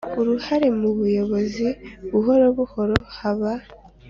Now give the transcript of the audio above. Uruhare mu buyobozi buhoro buhoro haba